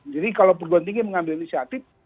kalau perguruan tinggi mengambil inisiatif